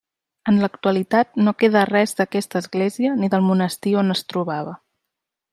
En l'actualitat no queda res d'aquesta església ni del monestir on es trobava.